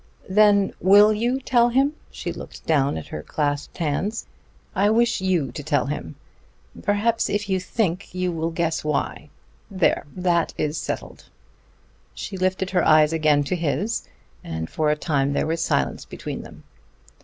"Then will you tell him?" She looked down at her clasped hands. "I wish you to tell him. Perhaps if you think you will guess why. There! that is settled." She lifted her eyes again to his, and for a time there was silence between them.